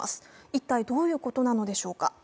一体、どういうことなのでしょうか